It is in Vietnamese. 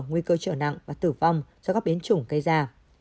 nguy cơ trở nặng và tử vong do các biến chủng gây ra